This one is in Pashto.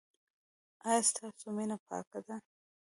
ایا ستاسو مینه پاکه ده؟